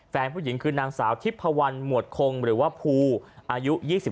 แฟนผู้หญิงคือนางสาวทิพพวันหมวดคงหรือว่าภูอายุ๒๓